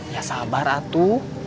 ya sabar satu